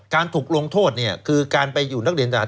การถูกลงโทษคือการไปอยู่นักเรียนทหาร